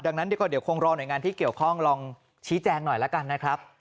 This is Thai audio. ดังนั้นดีกว่าเดี๋ยวคงรอหน่วยงานที่เกี่ยวข้องลองชี้แจงหน่อยละกันนะครับ